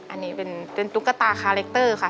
อันนี้เป็นตุ๊กตาคาแรคเตอร์ค่ะ